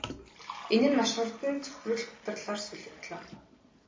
Энэ нь маш хурдан цөхрөл гутралаар солигдлоо.